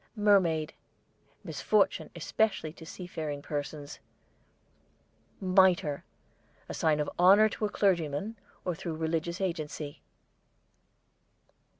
MERMAID, misfortune, especially to seafaring persons. MITRE, a sign of honour to a clergyman or through religious agency.